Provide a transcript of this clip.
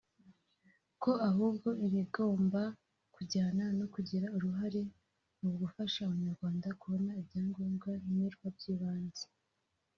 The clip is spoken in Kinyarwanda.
ko ahubwo ibi bigomba kujyana no kugira uruhare mu gufasha abanyarwanda kubona ibyangombwa nkenerwa by’ibanze